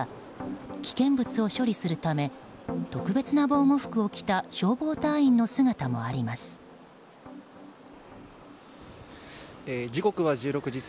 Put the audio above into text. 危険物を処理するため特別な防護服を着た消防隊員の姿もあります。